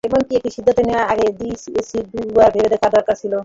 এমন একটি সিদ্ধান্ত নেওয়ার আগে ডিএসসিসির দুবার ভেবে দেখা দরকার ছিল।